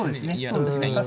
そうですね